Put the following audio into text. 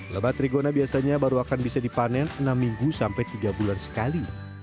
lebat rigona biasanya baru akan bisa dipanen enam minggu sampai tiga bulan sekali